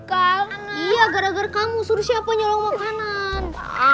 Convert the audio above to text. kamu iya gara gara kamu suruh siapa nyolong makanan